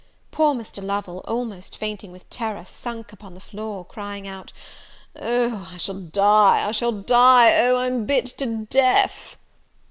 Poor Mr. Lovel, almost fainting with terror, sunk upon the floor, crying out, "Oh, I shall die, I shall die! Oh, I'm bit to death!"